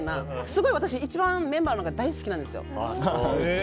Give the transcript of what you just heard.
すごい私、一番メンバーの中で大好きなんですよ。